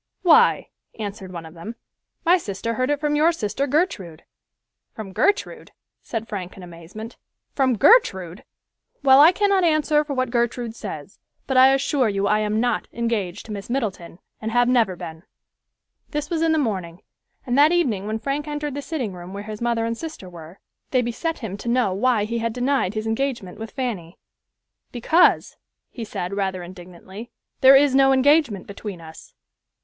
"Why," answered one of them, "my sister heard it from your sister Gertrude." "From Gertrude!" said Frank in amazement, "from Gertrude! Well, I cannot answer for what Gertrude says, but I assure you I am not engaged to Miss Middleton, and have never been." This was in the morning, and that evening when Frank entered the sitting room where his mother and sister were, they beset him to know why he had denied his engagement with Fanny. "Because," said he, rather indignantly, "there is no engagement between us."